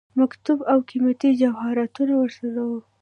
مکتوب او قيمتي جواهراتو ورسره وه.